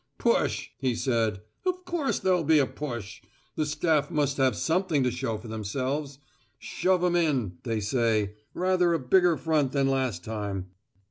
"Push!" he said. "Of course there will be a push. The Staff must have something to show for themselves. 'Shove 'em in,' they say; 'rather a bigger front than last time.